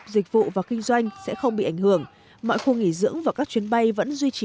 dịch vụ và kinh doanh sẽ không bị ảnh hưởng mọi khu nghỉ dưỡng và các chuyến bay vẫn duy trì